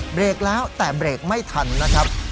เบรกแล้วแต่เบรกไม่ทันนะครับ